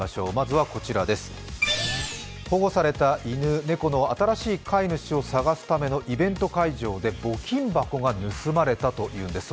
保護された犬、猫の新しい飼い主を探すためのイベント会場で募金箱が盗まれたというんです。